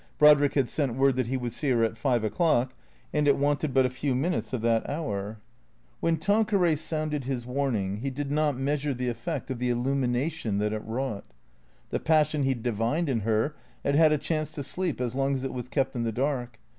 Brodrick had sent word that he would see her at five o'clock, and it wanted but a few minutes of that hour. When Tanqueray sounded his warning, he did not measure the effect of the illumination that it wrought. The passion he divined in her had had a chance to sleep as long as it was kept in the dark.